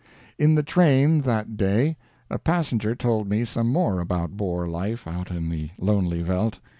In the train that day a passenger told me some more about Boer life out in the lonely veldt.